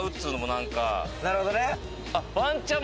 なるほどね！